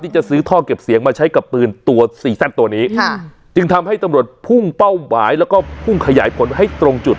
จะซื้อท่อเก็บเสียงมาใช้กับปืนตัวซีซั่นตัวนี้ค่ะจึงทำให้ตำรวจพุ่งเป้าหมายแล้วก็พุ่งขยายผลให้ตรงจุด